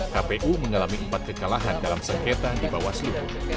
kpu mengalami empat kekalahan dalam sengketa di bawaslu